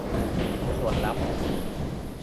สวดรับ